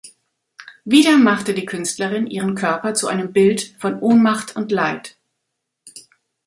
Wieder machte die Künstlerin ihren Körper zu einem Bild von Ohnmacht und Leid.